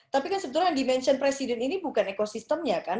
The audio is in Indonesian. tapi kan sebetulnya dimension presiden ini bukan ekosistemnya kan